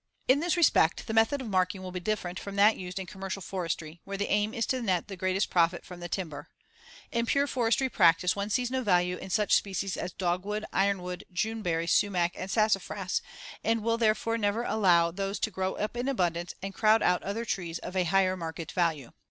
In this respect the method of marking will be different from that used in commercial forestry, where the aim is to net the greatest profit from the timber. In pure forestry practice, one sees no value in such species as dogwood, ironwood, juneberry, sumac and sassafras, and will therefore never allow those to grow up in abundance and crowd out other trees of a higher market value.